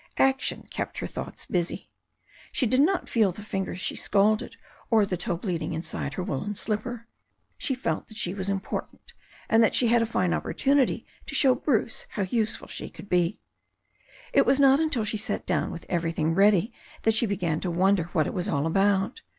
Action kept her thoughts busy. She did not feel the finger she scalded or the toe bleeding inside her woollen slipper. She felt that she was important, and that she had a fine opportunity to show Bruce how useful she could be. It was not until she sat down with everything ready that she began to wonder what it was all about.